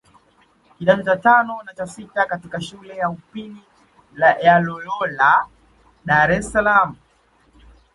kidato cha tano na sita katika shule ya upili ya Loyola Dar es Salaam